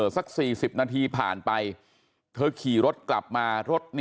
สัก๔๐นาทีผ่านไปเธอขี่รถกลับมารถ